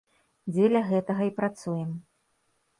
Дзеля гэтага і працуем.